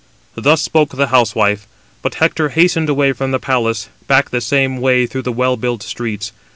Thus spoke the housewife, but Hector hastened away from the palace, back the same way through the well built streets.